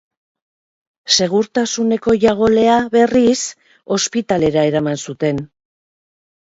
Segurtasuneko jagolea, berriz, ospitalera eraman zuten.